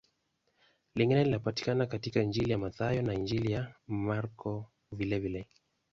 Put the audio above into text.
Lingine linapatikana katika Injili ya Mathayo na Injili ya Marko vilevile.